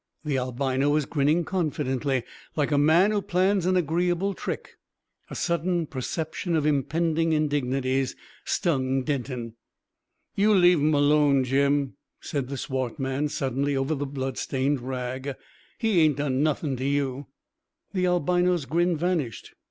The albino was grinning confidently, like a man who plans an agreeable trick. A sudden perception of impending indignities stung Denton. "You leave 'im alone, Jim," said the swart man suddenly over the blood stained rag. "He ain't done nothing to you." The albino's grin vanished.